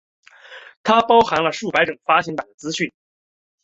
它包含了数百种发行版的资讯。